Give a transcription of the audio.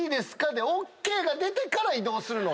でＯＫが出てから移動するのが。